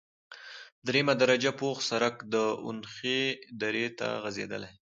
دریمه درجه پوخ سرک د اونخې درې ته غزیدلی،